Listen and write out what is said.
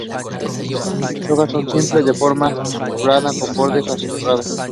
Sus hojas son simples, de forma oblonga con el borde aserrado.